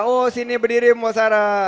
oh sini berdiri mpok sara